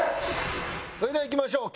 それではいきましょう。